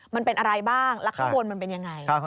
มันเป็นอะไรบ้างแล้วข้างบนมันเป็นยังไง